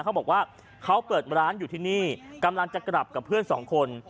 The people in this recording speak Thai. เขาบอกว่าเขาเปิดร้านอยู่ที่นี่กำลังจะกลับกับเพื่อนสองคน